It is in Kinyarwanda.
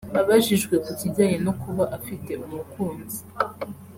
Abajijwe ku kijyanye no kuba afite umukunzi